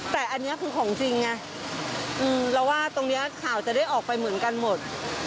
แต่อันนี้คือของจริงไงเราว่าตรงนี้ข่าวจะได้ออกไปเหมือนกันหมด